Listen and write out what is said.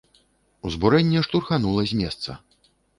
Узбурэнне штурханула з месца.